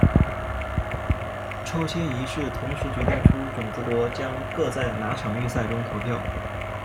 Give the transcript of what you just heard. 抽签仪式同时决定出种子国将各在哪场预赛中投票。